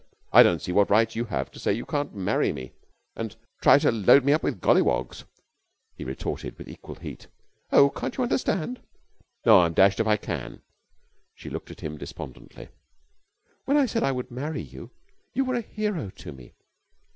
"I don't see what right you have to say you can't marry me and try to load me up with golliwogs," he retorted with equal heat. "Oh, can't you understand?" "No, I'm dashed if I can." She looked at him despondently. "When I said I would marry you, you were a hero to me.